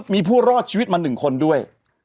มีผู้รอดชีวิตมา๑คนด้วย